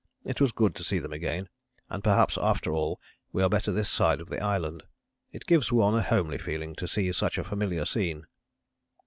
It was good to see them again, and perhaps after all we are better this side of the Island. It gives one a homely feeling to see such a familiar scene."